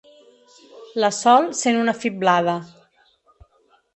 La Sol sent una fiblada.